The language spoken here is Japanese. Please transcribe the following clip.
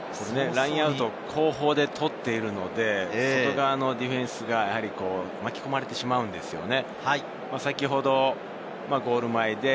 ラインアウト、後方で取っているので、外側のディフェンスが巻き込まれてしまうんですよね。